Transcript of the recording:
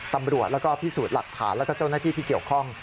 ตำรวจแล้วก็พิสูจน์หลักฐานแล้วก็เจ้าหน้าที่ที่เกี่ยวข้อง